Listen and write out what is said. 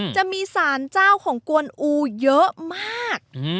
จะมีสารเจ้าของกวนอูเยอะมาก